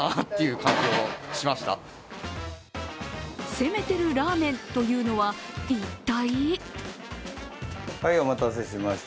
攻めてるラーメンというのは、一体？